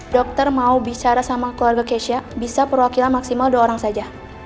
dokter mau bicara sama keluarga kesya bisa perwakilan maksimal dua orang saja